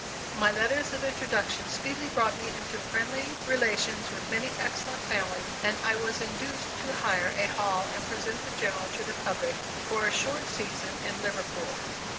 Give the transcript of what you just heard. My letters of introduction speedily brought me into friendly relations with many excellent families and I was induced to hire a hall and present the General to the public, for a short season, in Liverpool.